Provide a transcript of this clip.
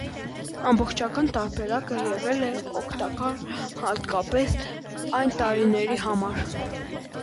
Ամբողջական տարբերակը եղել է օգտակար, հատկապես այն տարինների համար։